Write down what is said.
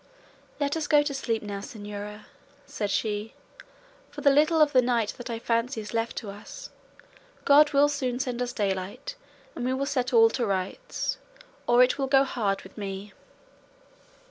"Let us go to sleep now, señora," said she, "for the little of the night that I fancy is left to us: God will soon send us daylight, and we will set all to rights, or it will go hard with me."